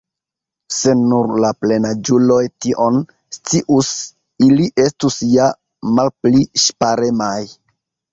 Se nur la plenaĝuloj tion_ scius, ili estus ja malpli ŝparemaj.